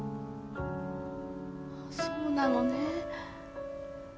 そうなのね。